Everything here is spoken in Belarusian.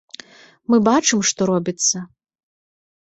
Мы бачым, што робіцца.